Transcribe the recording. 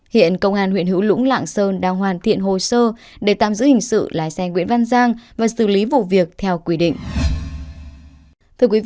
hiện công an huyện hữu lũng lạng sơn đang hoàn thiện hồ sơ để tạm giữ hình sự lái xe nguyễn văn giang và xử lý vụ việc theo quy định